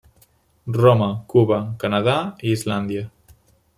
Roma, Cuba, Canadà i Islàndia.